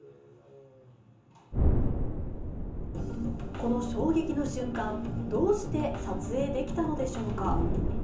この衝撃の瞬間、どうして撮影できたのでしょうか。